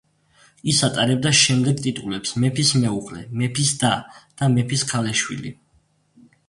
ის ატარებდა შემდეგ ტიტულებს: „მეფის მეუღლე“, „მეფის და“ და „მეფის ქალიშვილი“.